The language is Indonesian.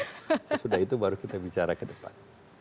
sesudah itu baru kita bicara ke depan